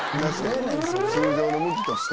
通常の向きとして。